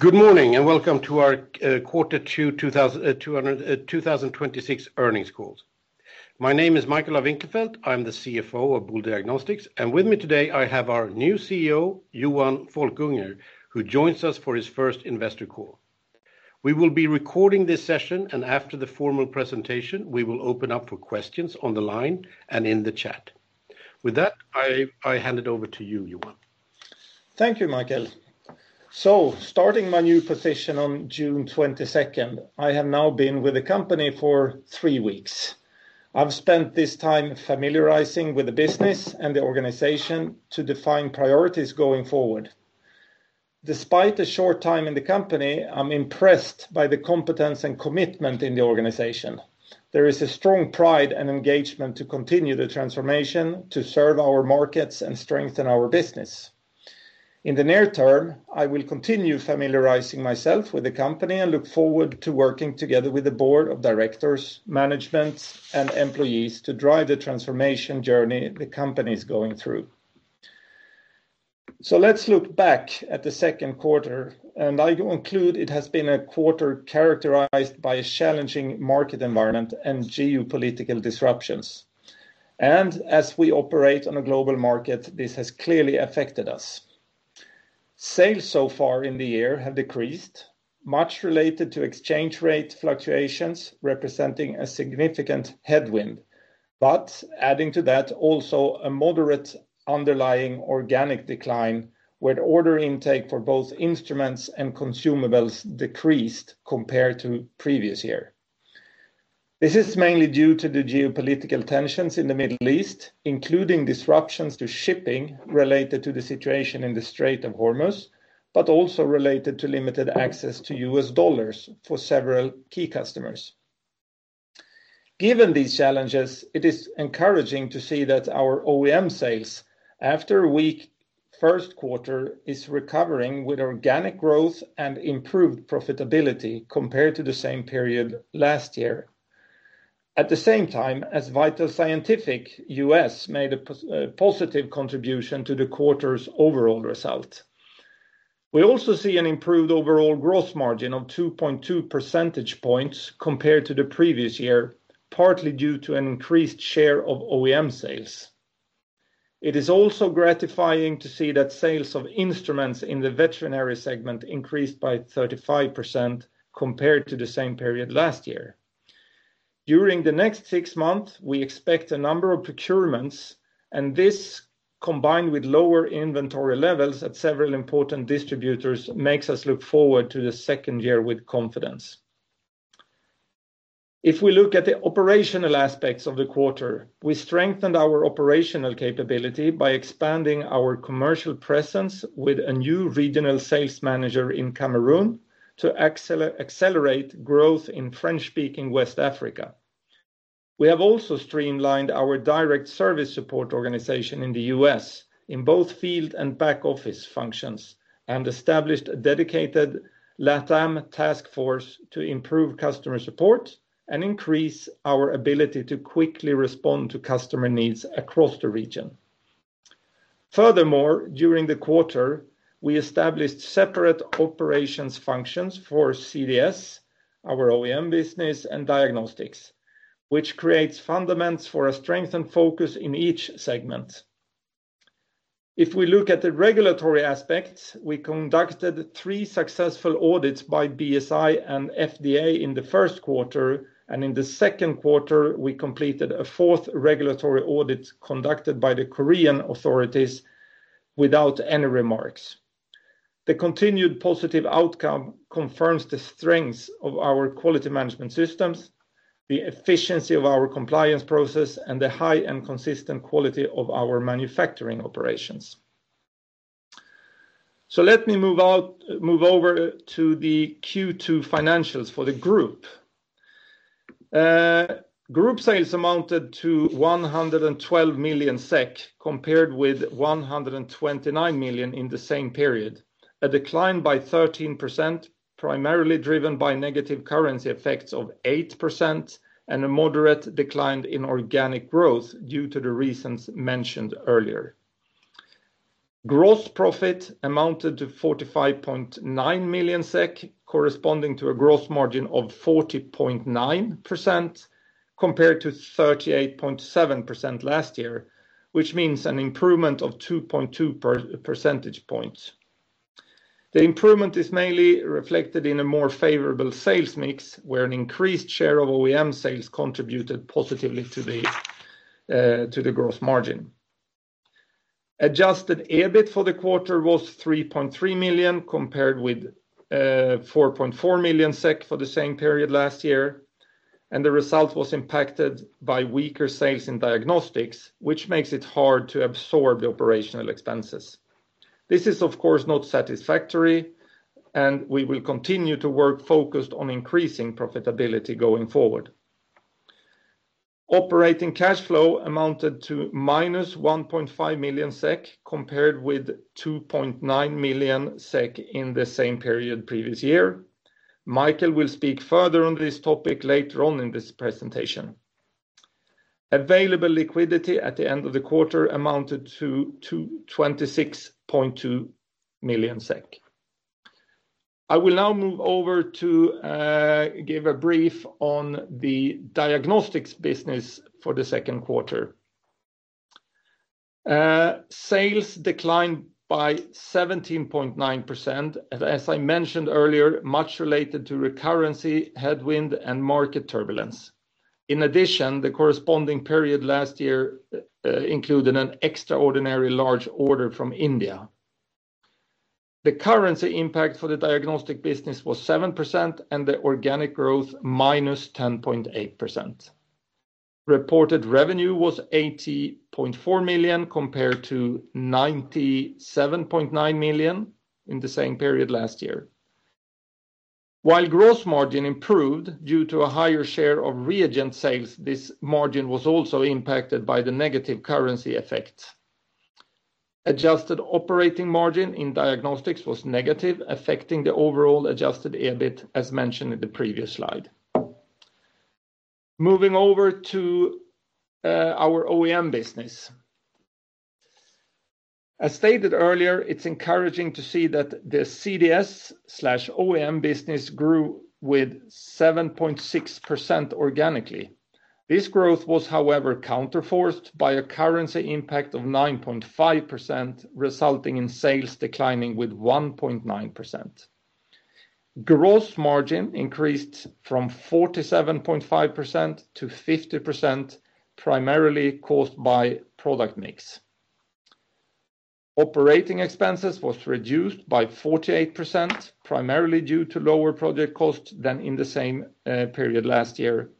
Good morning, welcome to our quarter two 2026 earnings call. My name is Michael af Winklerfelt. I'm the CFO of Boule Diagnostics. With me today, I have our new CEO, Johan Folkunger, who joins us for his first investor call. We will be recording this session. After the formal presentation, we will open up for questions on the line and in the chat. I hand it over to you, Johan. Thank you, Michael. Starting my new position on June 22nd, I have now been with the company for three weeks. I've spent this time familiarizing with the business and the organization to define priorities going forward. Despite the short time in the company, I'm impressed by the competence and commitment in the organization. There is a strong pride and engagement to continue the transformation to serve our markets and strengthen our business. In the near term, I will continue familiarizing myself with the company and look forward to working together with the board of directors, management, and employees to drive the transformation journey the company's going through. Let's look back at the second quarter, and I conclude it has been a quarter characterized by a challenging market environment and geopolitical disruptions. As we operate on a global market, this has clearly affected us. Sales so far in the year have decreased, much related to exchange rate fluctuations, representing a significant headwind. Adding to that, also a moderate underlying organic decline where the order intake for both instruments and consumables decreased compared to previous year. This is mainly due to the geopolitical tensions in the Middle East, including disruptions to shipping related to the situation in the Strait of Hormuz, but also related to limited access to US dollars for several key customers. Given these challenges, it is encouraging to see that our OEM sales, after a weak first quarter, is recovering with organic growth and improved profitability compared to the same period last year. At the same time as VitalScientific U.S. made a positive contribution to the quarter's overall result. We also see an improved overall gross margin of 2.2 percentage points compared to the previous year, partly due to an increased share of OEM sales. It is also gratifying to see that sales of instruments in the veterinary segment increased by 35% compared to the same period last year. During the next six months, we expect a number of procurements. This combined with lower inventory levels at several important distributors, makes us look forward to the second year with confidence. If we look at the operational aspects of the quarter, we strengthened our operational capability by expanding our commercial presence with a new regional sales manager in Cameroon to accelerate growth in French-speaking West Africa. We have also streamlined our direct service support organization in the U.S. in both field and back-office functions, and established a dedicated LATAM task force to improve customer support and increase our ability to quickly respond to customer needs across the region. Furthermore, during the quarter, we established separate operations functions for CDS, our OEM business, and diagnostics, which creates fundamentals for a strengthened focus in each segment. If we look at the regulatory aspects, we conducted three successful audits by BSI and FDA in the first quarter, and in the second quarter, we completed a fourth regulatory audit conducted by the Korean authorities without any remarks. The continued positive outcome confirms the strengths of our quality management systems, the efficiency of our compliance process, and the high-end consistent quality of our manufacturing operations. Let me move over to the Q2 financials for the group. Group sales amounted to 112 million SEK, compared with 129 million in the same period, a decline by 13%, primarily driven by negative currency effects of 8% and a moderate decline in organic growth due to the reasons mentioned earlier. Gross profit amounted to 45.9 million SEK, corresponding to a gross margin of 40.9% compared to 38.7% last year, which means an improvement of 2.2 percentage points. The improvement is mainly reflected in a more favorable sales mix, where an increased share of OEM sales contributed positively to the gross margin. Adjusted EBIT for the quarter was 3.3 million, compared with 4.4 million SEK for the same period last year. The result was impacted by weaker sales in diagnostics, which makes it hard to absorb the operational expenses. This is, of course, not satisfactory. We will continue to work focused on increasing profitability going forward. Operating cash flow amounted to -1.5 million SEK, compared with 2.9 million SEK in the same period previous year. Michael will speak further on this topic later on in this presentation. Available liquidity at the end of the quarter amounted to 26.2 million SEK. I will now move over to give a brief on the diagnostics business for the second quarter. Sales declined by 17.9%, as I mentioned earlier, much related to currency headwind and market turbulence. In addition, the corresponding period last year included an extraordinarily large order from India. The currency impact for the diagnostic business was 7%, and the organic growth -10.8%. Reported revenue was 80.4 million, compared to 97.9 million in the same period last year. While gross margin improved due to a higher share of reagent sales, this margin was also impacted by the negative currency effects. Adjusted operating margin in diagnostics was negative, affecting the overall adjusted EBIT, as mentioned in the previous slide. Moving over to our OEM business. As stated earlier, it's encouraging to see that the CDS/OEM business grew with 7.6% organically. This growth was, however, counterforced by a currency impact of 9.5%, resulting in sales declining with 1.9%. Gross margin increased from 47.5%-50%, primarily caused by product mix. Operating expenses were reduced by 48%, primarily due to lower project costs than in the same period last year.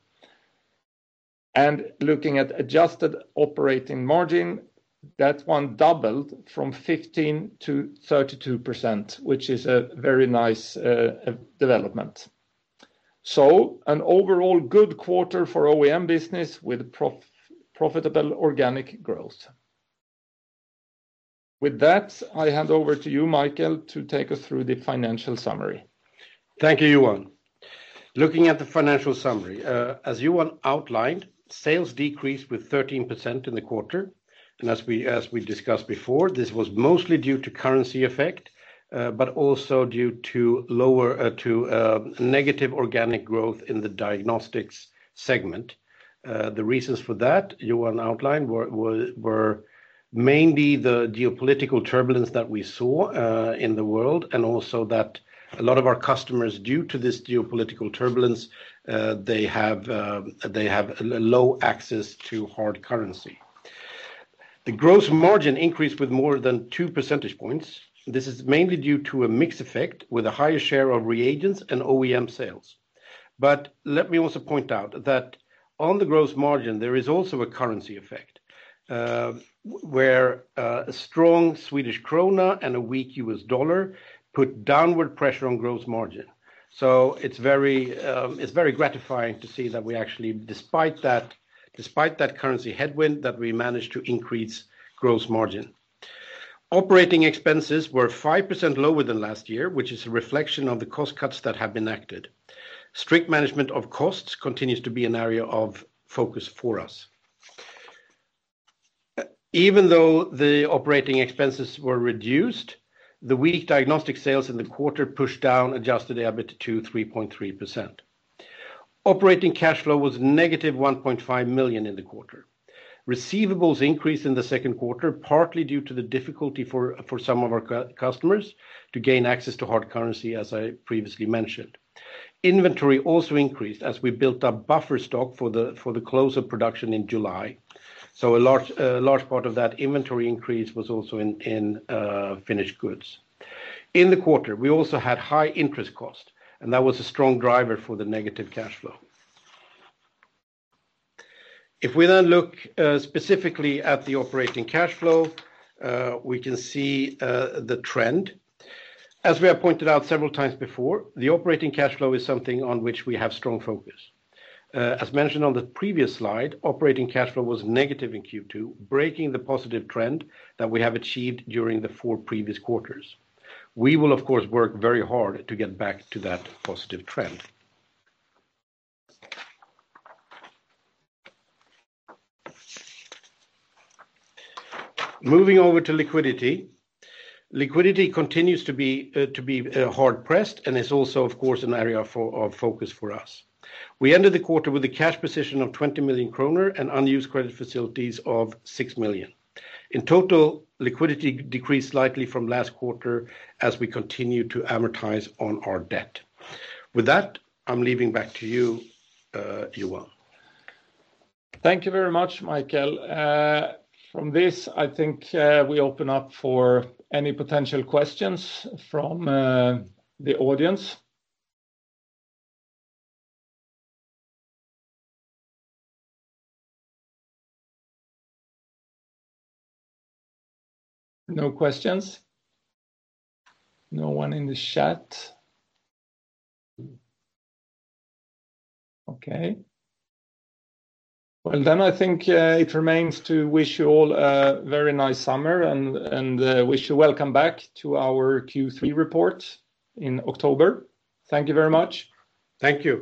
Looking at adjusted operating margin, that one doubled from 15%-32%, which is a very nice development. An overall good quarter for OEM business with profitable organic growth. With that, I hand over to you, Michael, to take us through the financial summary. Thank you, Johan. Looking at the financial summary, as Johan outlined, sales decreased with 13% in the quarter, as we discussed before, this was mostly due to currency effect, but also due to negative organic growth in the diagnostics segment. The reasons for that, Johan outlined, were mainly the geopolitical turbulence that we saw in the world, and also that a lot of our customers, due to this geopolitical turbulence, they have low access to hard currency. The gross margin increased with more than two percentage points. This is mainly due to a mix effect with a higher share of reagents and OEM sales. Let me also point out that on the gross margin, there is also a currency effect, where a strong Swedish krona and a weak U.S. dollar put downward pressure on gross margin. It's very gratifying to see that we actually, despite that currency headwind, that we managed to increase gross margin. Operating expenses were 5% lower than last year, which is a reflection of the cost cuts that have been acted. Strict management of costs continues to be an area of focus for us. Even though the operating expenses were reduced, the weak diagnostic sales in the quarter pushed down adjusted EBIT to 3.3%. Operating cash flow was -1.5 million in the quarter. Receivables increased in the second quarter, partly due to the difficulty for some of our customers to gain access to hard currency, as I previously mentioned. Inventory also increased as we built up buffer stock for the close of production in July. A large part of that inventory increase was also in finished goods. In the quarter, we also had high interest cost, that was a strong driver for the negative cash flow. If we then look specifically at the operating cash flow, we can see the trend. As we have pointed out several times before, the operating cash flow is something on which we have strong focus. As mentioned on the previous slide, operating cash flow was negative in Q2, breaking the positive trend that we have achieved during the four previous quarters. We will, of course, work very hard to get back to that positive trend. Moving over to liquidity. Liquidity continues to be hard-pressed and is also, of course, an area of focus for us. We ended the quarter with a cash position of 20 million kronor and unused credit facilities of 6 million. In total, liquidity decreased slightly from last quarter as we continue to amortize on our debt. With that, I'm leaving back to you, Johan. Thank you very much, Michael. I think we open up for any potential questions from the audience. No questions? No one in the chat. Okay. I think it remains to wish you all a very nice summer and wish you welcome back to our Q3 report in October. Thank you very much. Thank you.